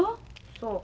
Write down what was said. そう。